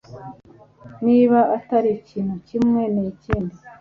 Niba atari ikintu kimwe ni ikindi